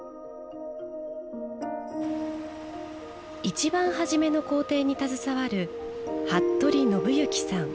いちばん初めの工程に携わる服部伸之さん。